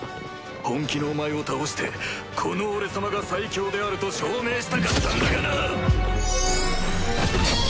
本気のお前を倒してこの俺様が最強であると証明したかったんだがな！